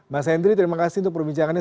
mas hendry terima kasih untuk perbincangannya